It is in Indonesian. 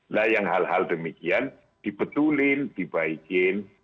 lah yang hal hal demikian dibetulin dibaikin